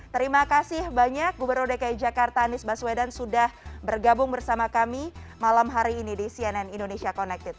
terima kasih banyak gubernur dki jakarta anies baswedan sudah bergabung bersama kami malam hari ini di cnn indonesia connected